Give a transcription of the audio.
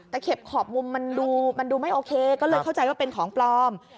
แต่เข็บขอบมุมมันดูมันดูไม่โอเคก็เลยเข้าใจว่าเป็นของปลอม